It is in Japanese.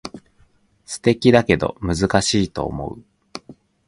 素敵だけど難しいと思う